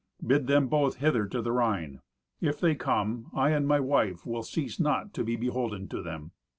Bid them both hither to the Rhine. If they come, I and my wife will cease not to be beholden to them.